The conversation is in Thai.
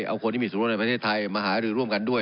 เอาผู้มีส่วนร่วมในภาครไทยมาหารือร่วมกันด้วย